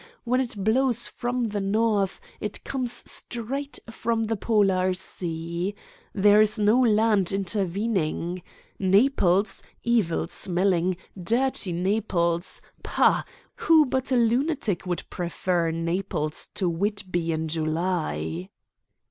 When it blows from the north, it comes straight from the Polar Sea. There is no land intervening. Naples evil smelling, dirty Naples! Pah! Who but a lunatic would prefer Naples to Whitby in July!"